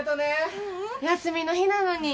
休みの日なのに。